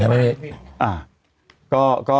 ไม่